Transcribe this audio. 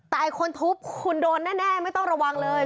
แต่คนทุบคุณโดนแน่ไม่ต้องระวังเลย